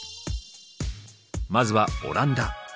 まずはオランダ。